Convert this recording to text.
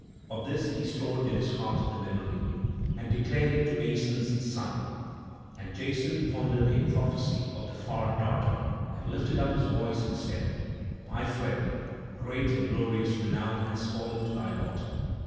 Of this he stored in his heart the memory, and declared it to Aeson's son; and Jason pondered a prophecy of the Far Darter and lifted up his voice and said: "My friend, great and glorious renown has fallen to thy lot.